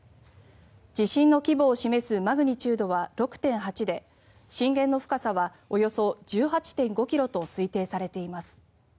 地震の規模を示すマグニチュードは６．８で震源の深さはおよそ１８．５ｋｍと推定されています。